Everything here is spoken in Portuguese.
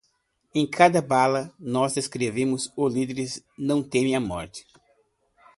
Em cada bala nós escrevemos: os líderes não temem a morte